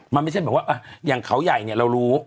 มันไม่ใช่แบบว่าอย่างเขาใหญ่เนี่ยเรารู้